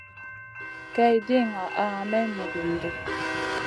Kay di ŋaha may mudum ɗi.